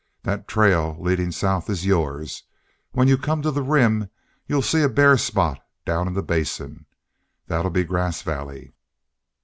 "Thet trail leadin' south is yours. When you come to the Rim you'll see a bare spot down in the Basin. Thet 'll be Grass Valley."